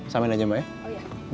samain aja mbak ya